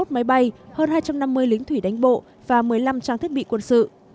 hai mươi máy bay hơn hai trăm năm mươi lính thủy đánh bộ và một mươi năm trang thiết bị quân sự